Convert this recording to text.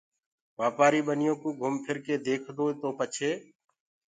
وآپآري ٻنيو ڪو گھم ڦر ڪي ديکدوئي تو پڇي